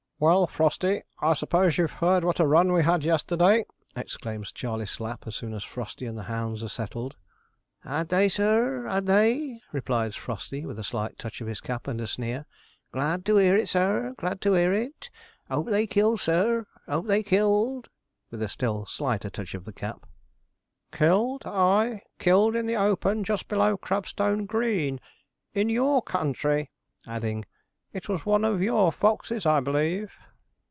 'Well, Frosty, I suppose you've heard what a run we had yesterday?' exclaims Charley Slapp, as soon as Frosty and the hounds are settled. 'Had they, sir had they?' replies Frosty, with a slight touch of his cap and a sneer. 'Glad to hear it, sir glad to hear it. Hope they killed, sir hope they killed!' with a still slighter touch of the cap. 'Killed, aye! killed in the open just below Crabstone Green, in your country,' adding, 'It was one of your foxes, I believe.'